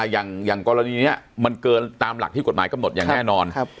อย่างกรณีนี้มันเกินตามหลักที่กฎหมายกำหนดอย่างแน่นอน